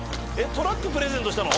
トラックプレゼントしたの？